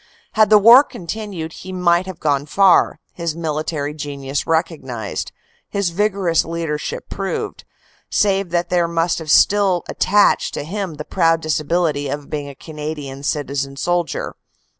Had the war continued he might have gone far, his military genius recognized, his vigorous leadership proved, save that there must have still attached to him the proud disability of being a Canadian citizen soldier.